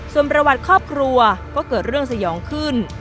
ส่วนประวัติครอบครัวก็เกิดเรื่องสยองขึ้น